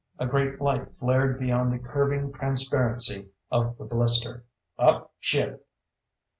A great light flared beyond the curving transparency of the blister. "_Up ship!